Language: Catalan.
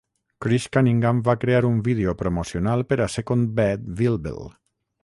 Chris Cunningham va crear un vídeo promocional per a "Second Bad Vilbel".